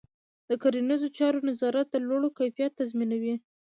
د کرنيزو چارو نظارت د لوړ کیفیت تضمینوي.